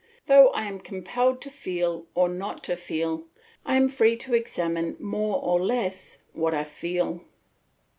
Though I am compelled to feel or not to feel, I am free to examine more or less what I feel.